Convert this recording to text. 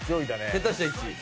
下手したら１位。